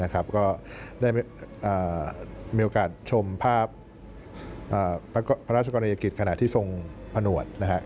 ก็มีโอกาสชมภาพพระราชกรณียกิจขนาดที่ทรงพนวทรนะครับ